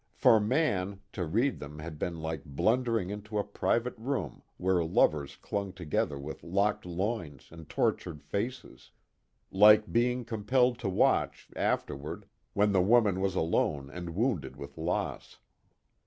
For Mann, to read them had been like blundering into a private room where lovers clung together with locked loins and tortured faces; like being compelled to watch, afterward, when the woman was alone and wounded with loss.